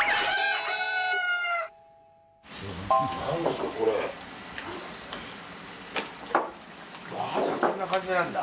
朝こんな感じなんだ。